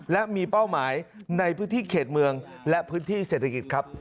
และมีเป้าหมายในพื้นที่เขตเมืองและพื้นที่เศรษฐกิจครับ